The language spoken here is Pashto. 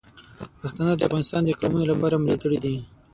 پښتانه د افغانستان د قومونو لپاره ملاتړي دي.